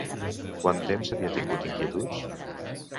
Quant temps havia tingut inquietuds?